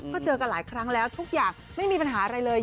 ก็เจอกันหลายครั้งแล้วทุกอย่างไม่มีปัญหาอะไรเลย